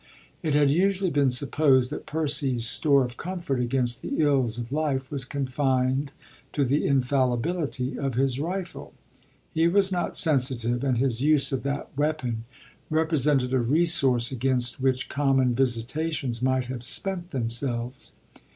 It had usually been supposed that Percy's store of comfort against the ills of life was confined to the infallibility of his rifle. He was not sensitive, and his use of that weapon represented a resource against which common visitations might have spent themselves.